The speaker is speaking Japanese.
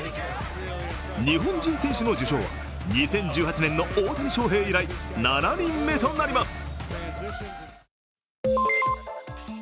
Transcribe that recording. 日本人選手の受賞は２０１８年の大谷翔平以来７人目となります。